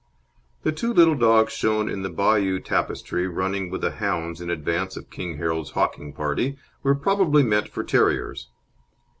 The two little dogs shown in the Bayeux tapestry running with the hounds in advance of King Harold's hawking party were probably meant for terriers.